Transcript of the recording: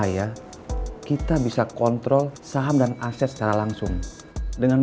ya udah deh putri usus goreng